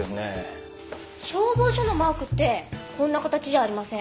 消防署のマークってこんな形じゃありません？